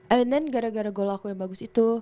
and then gara gara goal aku yang bagus itu